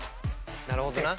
なるほどな。